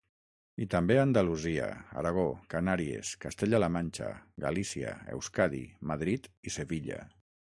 I també a Andalusia, Aragó, Canàries, Castella-La Manxa, Galícia, Euskadi, Madrid i Sevilla.